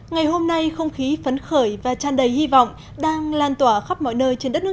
ngày hôm nay không khí phấn khởi và tràn đầy hy vọng đang lan tỏa khắp mọi nơi trên đất nước